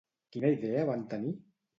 Quina idea van tenir?